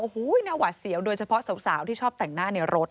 โอ้โหน่าหวัดเสียวโดยเฉพาะสาวที่ชอบแต่งหน้าในรถ